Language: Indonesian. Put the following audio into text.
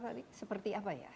tadi seperti apa ya